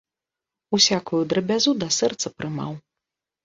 Усякую драбязу да сэрца прымаў.